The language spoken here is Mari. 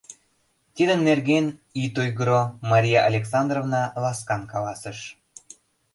— Тидын нерген ит ойгыро, — Мария Александровна ласкан каласыш.